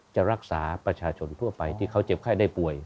จะรักษาประชาชนทั่วไปที่เขาเจ็บไข้ได้ป่วย